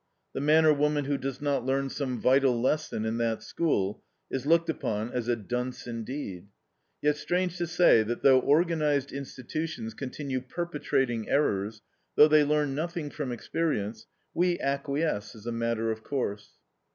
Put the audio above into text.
The man or woman who does not learn some vital lesson in that school is looked upon as a dunce indeed. Yet strange to say, that though organized institutions continue perpetrating errors, though they learn nothing from experience, we acquiesce, as a matter of course.